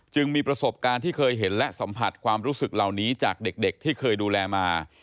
มีประสบการณ์ที่เคยเห็นและสัมผัสความรู้สึกเหล่านี้จากเด็กที่เคยดูแลมา